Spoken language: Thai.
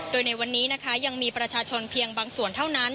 โดยในวันนี้นะคะยังมีประชาชนเพียงบางส่วนเท่านั้น